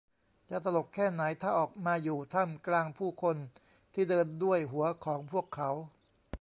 จะตลกแค่ไหน ถ้าออกมาอยู่ท่ามกลางผู้คนที่เดินด้วยหัวของพวกเขา